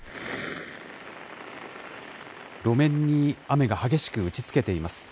路面に雨が激しく打ちつけています。